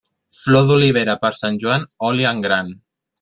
Flor d'olivera per Sant Joan, oli en gran.